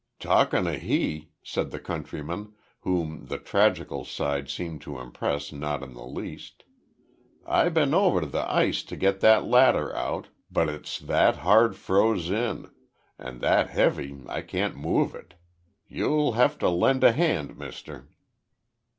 "Talking o' he," said the countryman, whom the tragical side seemed to impress not in the least. "I bin over to th' ice to get that ladder out, but it's that hard froze in, and that heavy I can't move it. You'll have to lend a hand, Muster."